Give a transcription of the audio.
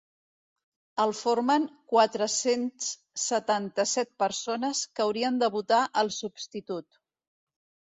El formen quatre-cents setanta-set persones que haurien de votar el substitut.